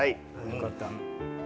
よかった。